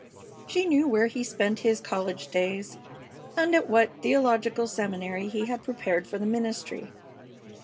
She knew where he spent his college days and at what theological seminary he had prepared for the ministry.